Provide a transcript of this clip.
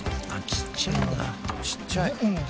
ちっちゃい。